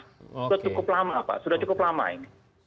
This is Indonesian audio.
sudah cukup lama pak sudah cukup lama ini